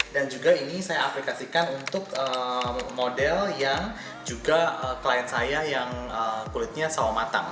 dan juga ini saya aplikasikan untuk model yang juga klien saya yang kulitnya sawo matang